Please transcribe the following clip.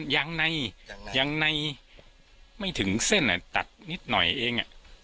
ยังในยางในไม่ถึงเส้นตัดนิดหน่อยเอง